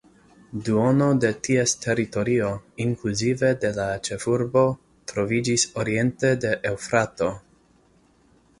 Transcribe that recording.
Duono de ties teritorio, inkluzive de la ĉefurbo, troviĝis oriente de Eŭfrato.